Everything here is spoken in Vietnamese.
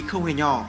không hề nhỏ